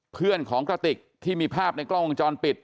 เพื่อนของกระติกที่มีภาพในกล้องวงจรปิด